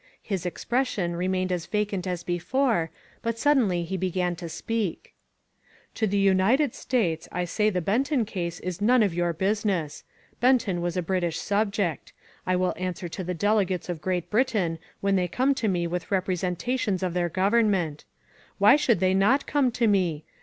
His expression remained as vacant as before, but suddenly he began to speak: To the United States I say the Benton case is none 274. CARRANZA— AN IMPRESSION of your business. Benton was a British subject. I will answer to the delegates of Great Britain when they come to me with representations of their govern ment. Why should they not come to me?